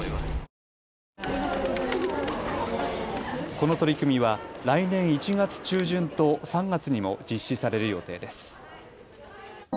この取り組みは来年１月中旬と３月にも実施される予定です。